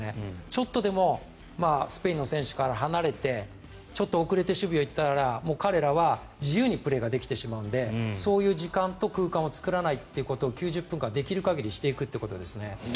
ちょっとでもスペインの選手から離れてちょっと遅れて守備に行ったら彼らは自由にプレーができてしまうのでそういう時間と空間を作らないということを９０分間できる限りしていくっていうことですね。